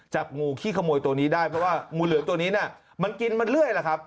จับงูขี้ขโมยตัวนี้ได้เพราะว่างูเหลือมตัวนี้น่ะมันกินมาเรื่อยล่ะครับ